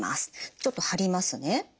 ちょっと貼りますね。